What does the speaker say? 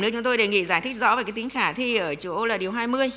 chúng tôi đề nghị giải thích rõ về tính khả thi ở chỗ là điều hai mươi